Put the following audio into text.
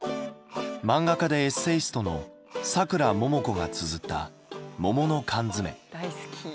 漫画家でエッセイストのさくらももこがつづった「もものかんづめ」。